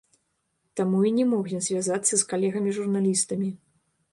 Таму і не мог ён звязацца з калегамі журналістамі.